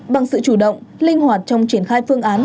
bằng sự chủ động linh hoạt trong triển khai phương án